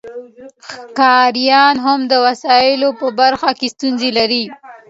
ښکاریان هم د وسایلو په برخه کې ستونزې لري